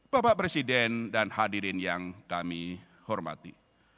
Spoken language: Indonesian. bapak presiden dan hadirin yang kami hormati